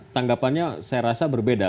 tanggapannya saya rasa berbeda